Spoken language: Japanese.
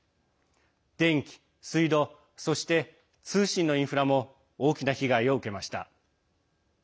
電気、水道そして、通信のインフラも大きな被害を受けました。